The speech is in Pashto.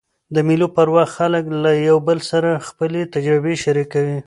د مېلو پر وخت خلک له یو بل سره خپلي تجربې شریکوي.